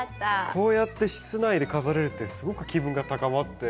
こうやって室内で飾れるってすごく気分が高まって。